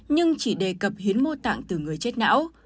nhưng chỉ đề cập hiến mô tạng từ người chết não